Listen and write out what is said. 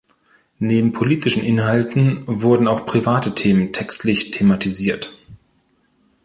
Neben politischen Inhalten wurden auch private Themen textlich thematisiert.